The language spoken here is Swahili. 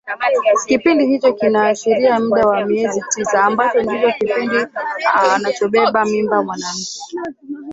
kipindi hicho kinaashiria muda wa miezi tisa ambacho ndio kipindi anachobeba mimba mwanamke